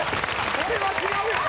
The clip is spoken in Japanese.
・これは違うやん！